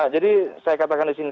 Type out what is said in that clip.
jadi saya katakan di sini